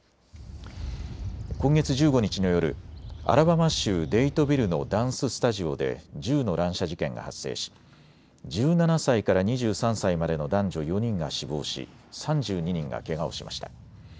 今月１５日の夜、アラバマ州デイドビルのダンススタジオで銃の乱射事件が発生し１７歳から２３歳までの男女４人が死亡し３２人がけがをしました。